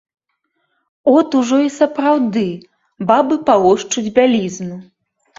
От ужо і сапраўды бабы палошчуць бялізну.